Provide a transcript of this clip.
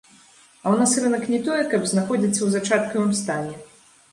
А ў нас рынак не тое, каб знаходзіцца ў зачаткавым стане.